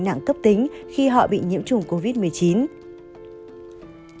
những bệnh nhân có thể bị bệnh nặng cấp tính khi họ bị nhiễm chủng covid một mươi chín